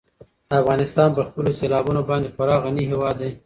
افغانستان په خپلو سیلابونو باندې خورا غني هېواد دی.